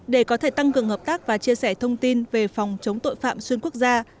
để có thể tăng cường hợp tác và chia sẻ thông tin về phòng chống tội phạm xuyên quốc gia